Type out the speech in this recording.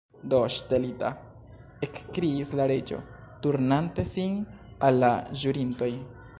"Do, ŝtelita!" ekkriis la Reĝo, turnante sin al la ĵurintoj.